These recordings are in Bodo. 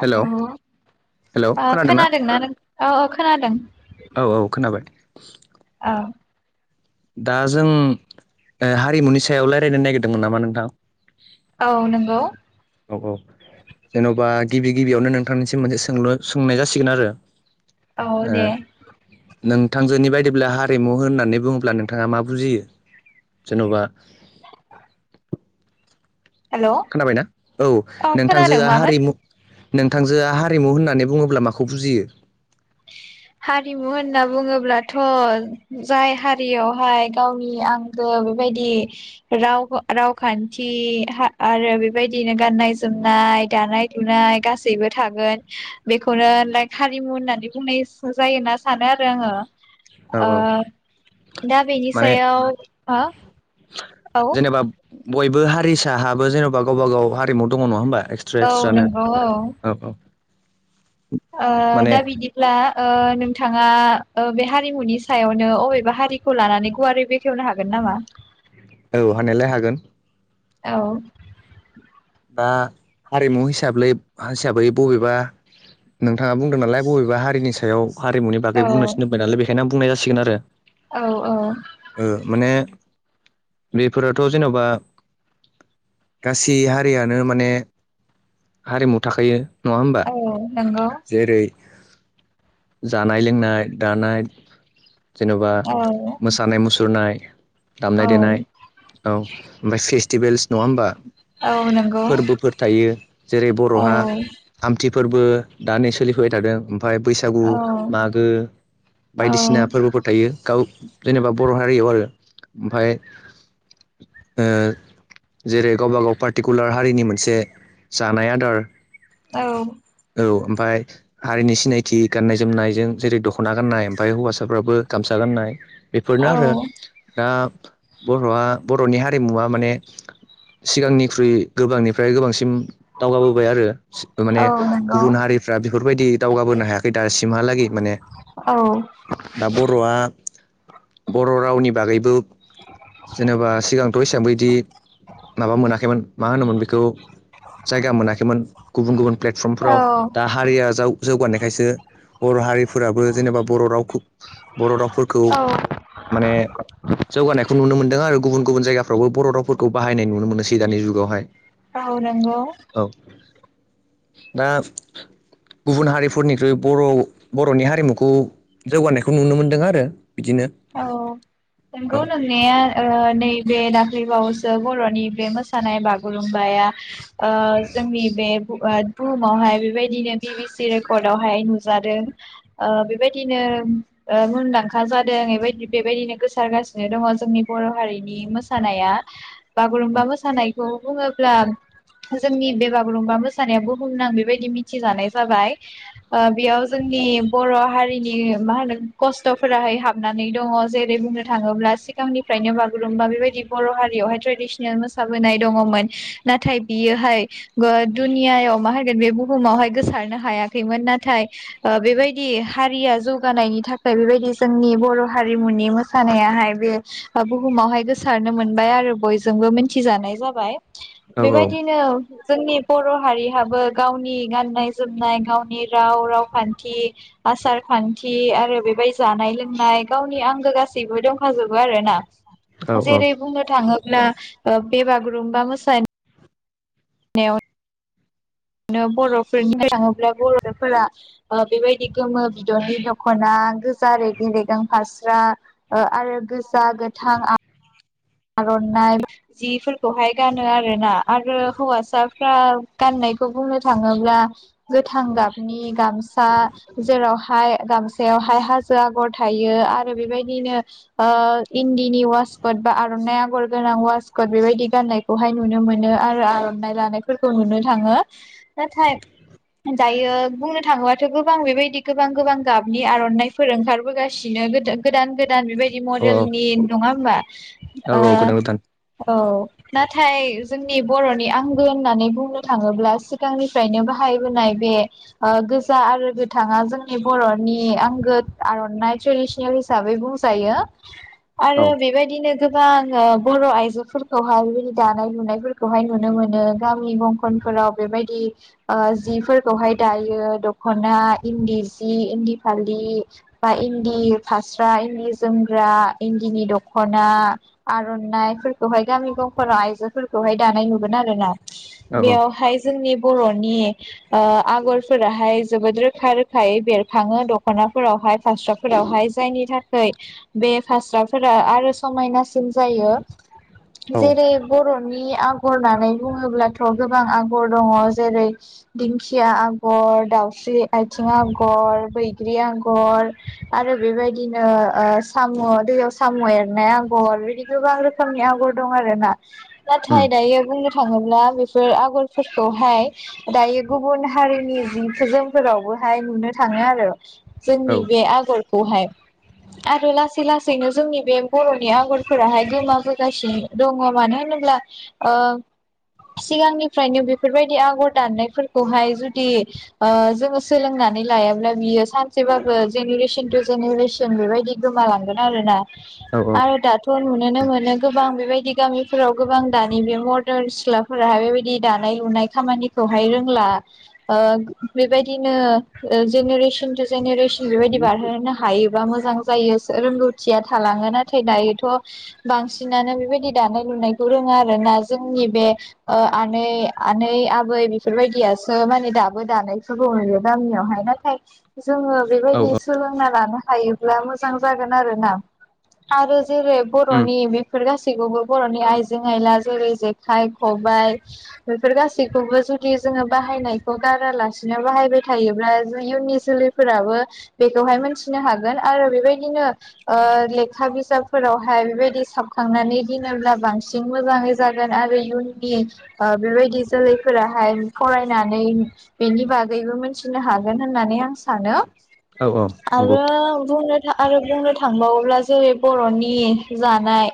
हेलौ [inaudible] ओ खोनादोंना नों? औ औ खोनादों औ औ खोनाबाय [inaudible] दा जों ओ हारिमुनि सायाव रायजलायनो नागिरदोंमोन नामा नोंथां? औ नंगौ औ औ जेन'बा गिबि गिबियावनो नोंथांनिसिम मोनसे सोंलु सोंनाय जासिगोन आरो औ ओ दे नोंथांजोनि बायदिब्ला हारिमु होननानै बुंङोब्ला नोंथाङा मा बुजियो जेन'बा? हेल' औ खोनाबायना औ खोनादों नोंथांजोआ मामोन हारिमु नोंथांजोआ हारिमु होननानै बुंङोब्ला माखौ बुजियो? हारिमु होनना बुंङोब्लाथ' जाय हारियावहाय गावनि आंगो‌ बेबायदि राव-रावखान्थि हा आरो बेबायदिनो गाननाय जोमना नाय दानाय लुनाय गासैबो थागोन बेखौनो लाइक हारिमु होननानै बुंनाय जायो होना सानो आरो आंङो। औ ओ औ दा बेनि माने सायाव हा जेनेबा बयबो हारिसाहाबो जेनेबा गावबा गाव हारिमु दंङ' नंङा होमबा? एक्सट्रा औ एक्सट्रानो नंगौ औ औ ओ माने दा बिदिब्ला ओ नोंथांङा ओ बे हा रिमुनि सायावनो अबेबा हारिखौ लानानै गुवारै बेखेवनो हागोन नामा? औ हानायालाय हागोन औ दा हारिमु हिसाबै हिसाबै बबेबा नोंथाङा बुंदों नालाय बबेबा हारिनि सायाव हारिमुनि औ बागै बुंनो थिन दोबबाय नालाय बेखायनो बुंनाय जासिगोन आरो। औ औ ओ माने बेफोरावथ' जेन'बा गासै हारि हारियानो माने हारिमु थाखायो नङा होमबा औ नंगौ जेरै जानाय लोंनाय दानाय जेन'बा औ मोसानाय मुसुरनाय औ दामनाय देनाय औ ओमफाय फेस्टिभेल्स नङा होमबा? औ नंगौ फोरबोफोर थायो जेरै औ बर'हा औ आमथि फोरबो द नै सोलिफुबाय थादों ओमफाय बैसागु मागो औ बायदिसिना फोरबोफोर थायो गाव जेनेबा बर' हारियाव आरो ओमफाय जेरै गावबा गाव पार्टि पारटिकुलार हारिनि मोनसे जानाय आदार औ ओमफ्राय हारिनि सिनायथि गान्नाय जोमनायजों जेरै दख'ना गाननाय ओमफ्राय हौवासाफ्राबो गामसा गाननाय बेफोरनो औ आरो दा बर'आ बर'नि हारिमुवा माने सिगांनि गोबांनिफ्राय गोबांसिम दावगाबोबाय आरो माने नंगौ गुबुन हारिफ्रा बेफोरबायदि दावगाबोनो हायाखै दासिम सिमहालागै माने औ दा बर'आ बर' रावनि बागैबो जेनेबा सिगां दथ' हसबांबो बिदि माबा मोनाखैमोन मा होनोमोन बेखौ जायगा मोनाखैमोन गुबुन गुबुन औ प्लेटफर्मफोराव दा हारिया जाव जौगानायखायसो बर' हारिफोराबो जेनेबा बर' रावखौ बर' रावफोरखौ औ माने जौगानायखौ नुनो मोनदों आरो गुबुन गुबुन जायगाफ्रावबो बर' रावफोरखौ बाहायनाय नुनो मोनोसै दानि जुगावहाय औ नंगौ औ दा गुबुन हारिफोरनिख्रुइ बर' बर'नि हारिमुखौ जौगानायखौ नुनो मोनदों आरो बिदिनो औ औ नोंगौ नोंनाया नैबे दाख्लैबावसो बर'नि बे मोसानाय बागुरुमबाया जोंनि बे बुहुमावहाय बेबायदिनो बि बि सि रेकर्डआवहाय नु बेबायदिनो मुंदांखा जादों बेबायदि बेबायदिनो गोसारगासिनो दङ जोंनि बर' हारिनि मोसानाया बागुरुम्बा मोसानायखौ बुङोब्ला जोंनि बे बागुरुम्बा मोसानाया बुहुमनां बेबायदि मिथिजानाय जाबाय बेयाव जोंनि जोंनि बर' हारिनि मा होनो खस्थ'फोराहाय हाब दङ जेरै बुंनो थाङोब्ला सिगांनिफ्रायनो बागुरुम्बा बेबायदि बर' हारियावहाय ट्रेडिसनेल मोसानाय मोसाबोनाय दङमोन नाथाय बियोहाय दुनियाव माोगोन बे बुहुमावहाय नो हायाखैमोन न बेबायदि हारिया जौगानायनि थाखाय बेबायदि जोंनि बर' हारिमुनि मोसानायाहाय बे बुहुमावहाय सारनो मोनबाय आरो बयजोंबो मिथिजानाय जाबाय औ बेबायदिनो जोंनि बर' हारिहाबो गावनि गाननाय जोमनाय गावनि राव रावखान्थि आसार खान्थि आरो बेबायदि जानाय लोंनाय बुंनाय गावनि आंगो गासैबो दंखाजोबो आरोना औ जेरै बुंनो थाङोब ब्ला बे बागुरुमबा मोसानो द [unintelligible] बिनो बर'फोरनि थाङोब्ला बर'फोरा बेबायदि गोमो बिदरनि दख'ना गोजा रेगि रेगें फास्रा आरो गोजा गोथां आर'नाइ जिफोरखौहाय गानो आरोना आरो हौवासाफ्रा गाननाय बेखौ बुंनो थाङोब्ला गोथां गाबनि गामसा जेरावहाय गामसाया बेयावहाय हाजो आगर थायो आरो बेबायदिनो इन्दिनि वासकद बा आरनाइ आगर गोनां वासकट बेबायदि गाननायखौहाय नुनो मोनो आरो आरनाइ लानायफोरखौ नुनो थांङो नाथाय दायो बुंनो थाङोबा गोबां गोबां बेबायदि गोबां गोबां गाबनि आरनाइफोर ओंखारबोगासिनो गोदान गोदान बेबायदि औ मडेलनि नङा होमबा औ ओ औ गोदान गोदान औ नाथाय जोंनि बरनि आंगो होननानै बुंनो थाङोब्ला सिगांनिफ्रायनो बाहायबोनाय बे ओ गोजा आरो गोथाङा जोंनि बरनि आंगो आरनाइ ट्रेडिसनेल हिसाबै बुंजायो औ आरो बेबायदिनो गोबां ओ बर आइजोफोरखौहाय बेबायदि दानाय लुनायफोरखौहाय नुनो मोनो गामि दंखन फोराव बेबायदिओ जिफोरखौहाय दायो दखना इन्दि सि इदि फालि बा इन्दि फास्रा इन्दि जोमग्रा इन्दिनि दखना आरनाइफोरखौहाय गामि गंफोराव आइजोफोरखौहाय दानाय नुगोन आरो ना औ औ बेयावहाय जोंनि बरनि ओ आगरफोराहाय जोबोद रोखा रोखायै बेरखाङो दखनाफोराव ओमफाय फास्राफोरावहाय जायनि थाखाय बे फास्राफोरा आरो समायना रोखोम जायो औ जेरै बरनि नि आगर लानाय होन्नानै बुङोब्लाथ गोबां आगर दङ जेरै दिंखिया आर आगर दाउस्रि आथिं आगर बैग्रि आगर आरो बेबायदिनो ओ साम दैयाव साम एरनाया आगर आगर बिदि गोबां रोखोमनि आगर दं आरो ना नाथाय दायो बुंनो थाङोबा थाङोब्ला बेफोर आगरफोरखौहाय दायो गुबुन हारिनि जि जोमफोरावबो हाय नुनो थाङो आरो। जोंनि बे आगरखौहाय आरो लासै लासैनो जोंनि बे बर नि आगरफोराहाय गोमाबोगासिनो दङ मानो होनोब्ला ओ सिगांनिफ्रायनो बेफोरबायदि आगर दाननायफोरखौहाय जुदि ओ जोङो सोलोंनानै नानै लायाब्ला बियो सानसेबाबो जेनेरेसन टु जेनेरेसन बेबायदि गोमालांगोन आरोना आरो दाथ नुुनोनो मोनो गोबां बेबायदि गामिफोराव गोबां दानि बे मदारन सिख्लाफोराहाय बेबायदि दानाय लुनाय खामानिखौहाय रोंला ओ बेबायदिनो जेनेरेसन टु जेनेरेसन बेबायदि बारहोनो हायोबा मोजां जायो रोंगौथिया थालाङोना नाथाय दायोथ बांसिनानो बेबायदि दानाय लुनायखौ रोङा आरो ना जोंनि बे ओ आनै आनै आबै बेफोरबायदियासो माने दाबो दानायफोरखौ नुयो गामियावहाय न [inaudible] जोङो औ बेबायदि सोलोंना लानो हायोब्ला मोजां जागोन आरोना आरो जेरै औ बरनि बेफोर गासैबो गासैखौबो बरनि आइजें आइला जेरै जेखाइ खबाइ बेफोर गासैखौबो जुदि जो जोंङो बाहायनायखौ गारालासिनो बाहायबाय थायोब्ला इयुननि जोलैफोराबो बेखौहाय मोनथिनो हागोन आरो बेबायदिनो ओ लेखा बिजाबफोरावहाय बेबायदि साबखांनानै दोनोब्ला बांसिन हारसि मोजाङै जागोन आरो इयुननिओ बेबायदि जोलैफोराहाय फरायनानै बेनि बागैबो मिथिनो हागोन होननानै आं सानो औ औ नंगौ आरो बुंनो‌ आरो बुंनो थांबावोब्ला जेरै बरनि जानाय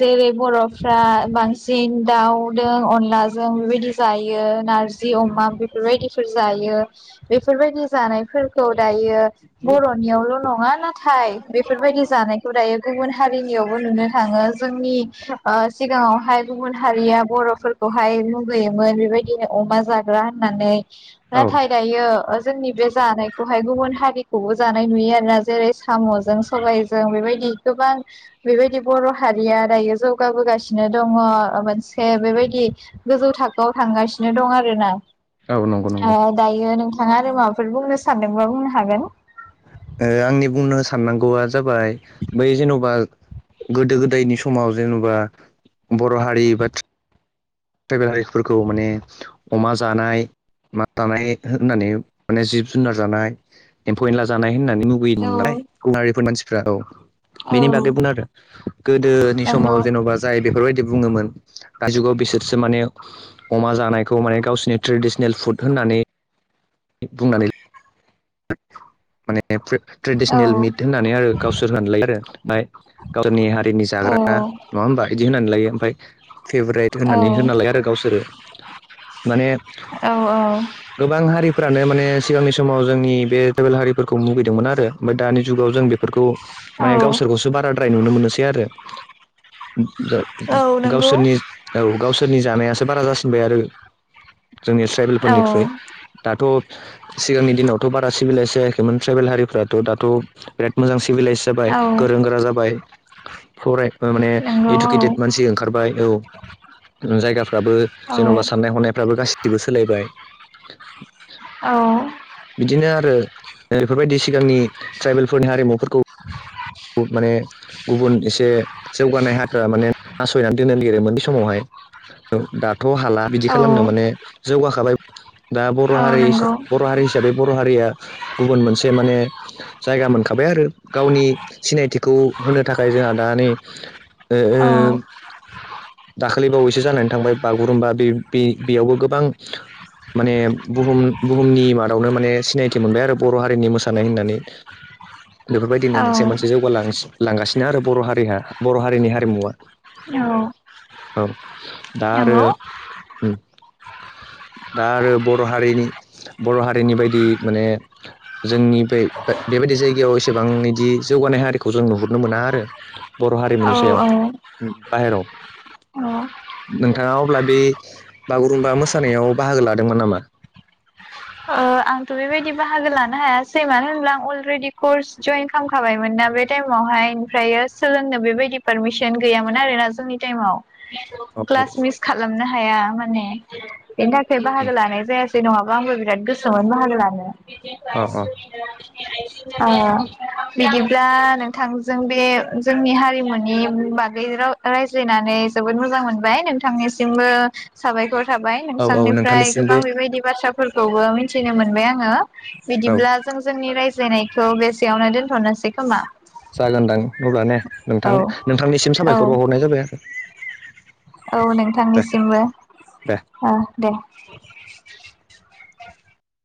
जेरै बरफ्रा बांसिन दाउ जों अनलाजों बेबायदि जायो नारजि अमाजों बेफोरबायदिफोर जायो बे बेफोरबायदि जानायफोरखौ दायो बरनियावल नङा नाथाय बेफोरबायदि जानाय गुबुन हारिनियावबो नुनो थाङो जोंनि ओ सिगाङावहाय गुबुन हारि या बरफोरखौहाय मुगैयोमोन बेबायदिनो अमा जाग्रा होननानै औ ना थायो दायोयो जोंनि बे जानायखौहाय गुबुन हारिखौबो जानाय नुयो आरोना जेरै सामजों सबायजों बेबायदि। गोबां बेबायदि बर' हारिया दायो जौगाबोगासिनो दङ मोनसे बेब बायदि गोजौ थाखोआव थांगासिनो दं आरोना औ नंगौ नंगौ। दायो नोंथाङा आरो माबाफोर बुंनो सानदोंबा बुंनो हागोन। आंनि बुंनो साननांगौआ जाबाय बै जेन'बा गोदो गोदायनि समाव जेनेबा बर' हारि बाथ ट्राइबेलारिफोरखौ माने अमा जानाय मा जानाय होननानै माने जिब जुनार जानाय एम्फौ एनला जानाय होननानै हागोन लुबैयो [unintelligible] मानसिफ्रा औ बेनि बागै बुं आरो गोदोनि समाव नंगौ जेन'बा जाय बेफोरबाय दि बुङोमोन दा जुगाव बिसोर सो माने अमा जानायखौ माने गावसिोरनि ट्रेडिसनेल फुद होननानै। बुंनानै म माने। औ ट्रेडिसनेल मिट होननानै आरो गावसोर होनलाय आरो ओमफ्राय गावसोरनि हारिनि औ जाग्रा आ। नङा होमबा एदि होनानै लायो ओमफाय। फेभारेट होननानै होनालायो आरो गावसोरो माने औ गोबां हारिफोरानो माने सिगांनि समाव जोंनि बे ट्राइबेल हारिफोरखौ मुगैदोंमोन आरो ओमफ्राय दानि जुगाव जों बेफोरखौ औ माने गावसोरखौसो बाराद्राय नुनो मोननोसै आरो। औ नंगौ गावसोरनि औ गावसोरनि जानायासो बारा जासिनबाय आरो। जोंनि औ ट्राइबेलफोरनिख्रुइ दाथ' सिगांनि दिनावथ' बारा सिबिलाइसो जायाखैमोन ट्राइबेल हारिफ्राथ' दाथ' बिराद मोजांसि सिभिलाइस जाबाय औ गोरों गोरा जाबाय फराय माने नंगौ इडुकेटेद मानसि ओंखारबाय औ। जायगाफ्राबो औ जेन'बा साननाय हनायफ्राबो गासिबो सोलायबाय औ। बिदिनो आरो बेफोरबायदि सिगांनि ट्राइबेलफोरनि हारिमुफोरखौ माने गुबुन एसे जौगानाय हाफ्रा माने नासयनानै दोननो नागिरोमोन बे समावहाय दाथ' हाला बिदि औ खालामनो माने जौगाखाबाय दा बर' औ हारि नंगौ बर' हारि हिसाबै बर' हारिया गुबुन मोनसे माने जायगा मोनखाबाय आरो गावनि सिनायथिखौ होनो थाखाय जोंहा दा नै ओ ओ। औ दाखालिबावैसो जानानै थांबाय बागुरुम्बा बे बेयावबो गोबां माने बुहुम बुहुमनि मादावनो माने सिनायथि मोनबाय आरो बर' हारिनि मोसानाय होननानै। [inaudible] बेफोरबायदिनो औ मोनसे मोनसे जौगालां लांगासिनो आरो बर' हारिया बर' हारिनि हारिमुवा औ दा आरो। नंगौ [inaudible] दा आरो बर' हारिनि बर' हारिनि बायदि माने जोंनि बे बेबायदि जायगायाव एसेबांएदि जौगानाय हारिखौ जों नुहुरनो मोना आरो बर' औ हारिमुनि सायाव औ बाहेरायाव नोंथाङा अब्ला बे बागुरुम्बा मोसानायाव बाहागो लादोंमोन नामा। अ। आंथ' बेबायदि बाहागो लानो हायासै मानो होनब्ला आं अलरेडि कर्स जयेन खालामखाबायमोनना बे टाइमाव हायओमफ्रायो सोलोंनो बेबायदि पारमिसन गैयामोन आरोना जोंनि टाइमाव अ क्लास मिस खालामनो हाया माने बेनि थाखाय बाहागो लानाय जायासै जे नङाबा आंबो बिराद गोसोमोन बाहागो लानो अ अ औ। बिदिब्ला नोंथांजों बे जोंनि हारिमुनि बागै रायज्लायनानै जोबोद मोजां मोनबाय नोंथांनिसिमबो साबायखर थाबाय औ औ नोंसांनिफ्राय नोंथांनिसिमबो गोबां बेबायदि बाथ्राफोरखौबो मिथिनो मोनबाय आङो। औ बिदिब्ला जों जोंनि रायजायनायखौ बेसेयावनो दोनथ'नोसै खोमा जागोनदां अब्ला ने औ नोंथां नोंथांनिसिम औ साबायखर बाव हरनाय जाबाय आरो। औ दे नोंथांनिसिमबो दे दे